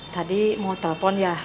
tadi mau telepon ya